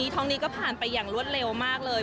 ท้องนี้ก็ผ่านไปอย่างรวดเร็วมากเลย